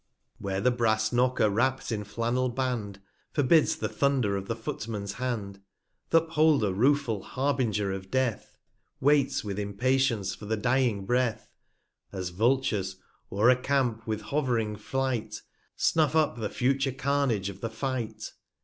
Where the brass Knocker, wrapt in Flannel Band, Forbids the Thunder of the Footman's Hand ; 346 Th' Upholder, rueful Harbinger of Death Waits, with Impatience, for the dying Breath ; As Vultures, o'er a Camp, with hov'ring Flight, Snuff up the future Carnage of the Fight.